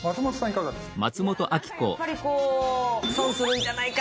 いかがですか？